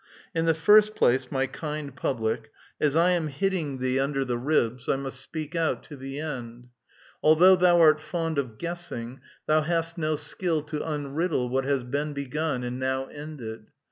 In the first place, my kind public, as I am hitting thee j 10 A VITAL QUESTION. tinder the ribs, I must speak out to the end ; although thou art fond of guessing, thou hast no skill to unriddle what has been begun and now ended.